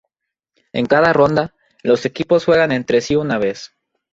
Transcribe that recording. En cada ronda, los equipos juegan entre sí una vez.